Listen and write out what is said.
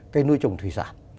cái nuôi trồng thủy sản